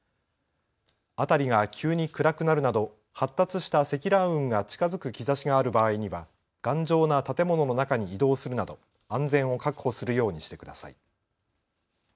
辺りが急に暗くなるなど発達した積乱雲が近づく兆しがある場合には頑丈な建物の中に移動するなど安全を確保するようにしてください。